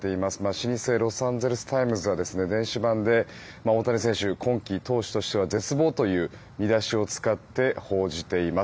老舗ロサンゼルス・タイムズが大谷選手、今季、投手としては絶望という見出しを使って報じています。